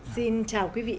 xin chào quý vị và các bạn